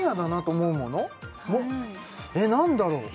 えっ何だろう